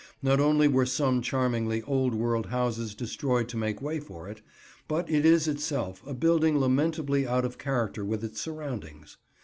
Not only were some charmingly old world houses destroyed to make way for it, but it is itself a building lamentably out of character with its surroundings.